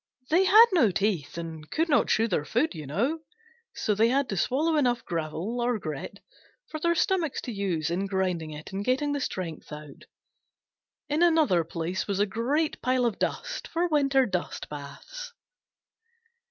They had no teeth and could not chew their food, you know, so they had to swallow enough gravel, or grit, for their stomachs to use in grinding it and getting the strength out. In another place was a great pile of dust for winter dust baths.